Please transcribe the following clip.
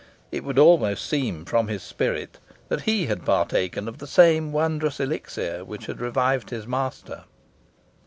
It would almost seem, from his spirit, that he had partaken of the same wondrous elixir which had revived his master.